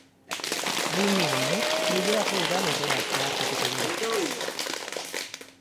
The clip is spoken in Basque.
Linea honek Leioako udalerria zeharkatuko du.